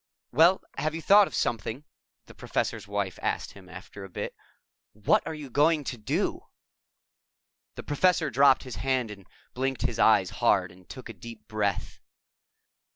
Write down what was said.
"Well, have you thought of something?" the Professor's Wife asked him after a bit. "What are you going to do?" The Professor dropped his hand and blinked his eyes hard and took a deep breath.